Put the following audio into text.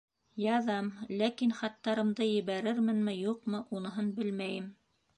Яҙам, ләкин хаттарымды ебәрерменме, юҡмы - уныһын белмәйем.